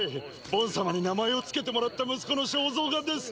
ボン様に名前を付けてもらった息子の肖像画です！